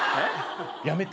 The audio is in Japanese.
やめて。